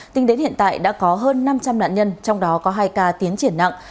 tính đến hiện tại đã có hơn năm trăm linh nạn nhân trong đó có hai ca tiến triển nặng